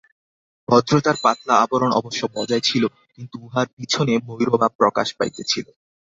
ভদ্রতার পাতলা আবরণ অবশ্য বজায় ছিল, কিন্তু উহার পিছনে বৈরভাব প্রকাশ পাইতেছিল।